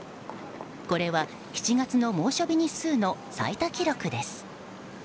これは７月の猛暑日日数の最多記録です。